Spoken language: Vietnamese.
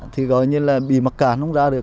thì gọi như là bị mắc cạn không ra được